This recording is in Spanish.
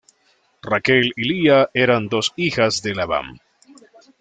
Raquel y Lía eran dos hijas de Labán.